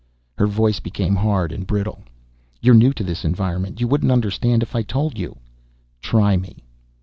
Her voice became hard and brittle. "You're new to this environment. You wouldn't understand if I told you." "Try me."